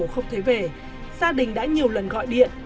không thấy về gia đình đã nhiều lần gọi điện